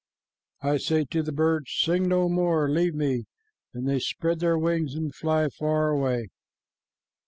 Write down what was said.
"I say to the birds, 'Sing no more. Leave me,' and they spread their wings and fly far away."